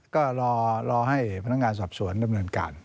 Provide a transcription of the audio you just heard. ก็รอให้พนักงานสอบสวนดำเนินการ